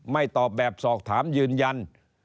ตอบแบบสอบถามยืนยัน